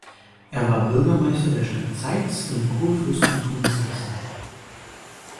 Er war Bürgermeister der Stadt Zeitz im Kurfürstentum Sachsen.